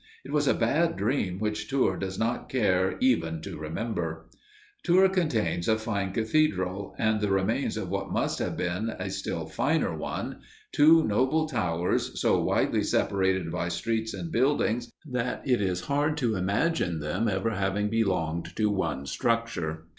It was a bad dream which Tours does not care even to remember. Tours contains a fine cathedral, and the remains of what must have been a still finer one two noble towers, so widely separated by streets and buildings that it is hard to imagine them ever having belonged to one structure.